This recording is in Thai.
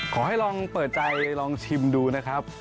ขอให้ลองเปิดใจลองชิมดูนะครับ